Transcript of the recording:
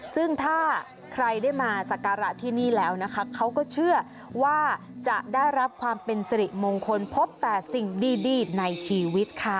ซึ่งถ้าใครได้มาสักการะที่นี่แล้วนะคะเขาก็เชื่อว่าจะได้รับความเป็นสิริมงคลพบแต่สิ่งดีในชีวิตค่ะ